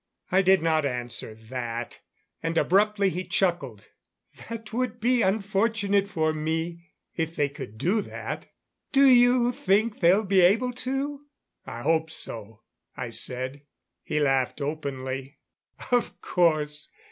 I did not answer that; and abruptly he chuckled. "That would be unfortunate for me if they could do that. Do you think they'll be able to?" "I hope so," I said. He laughed openly. "Of course.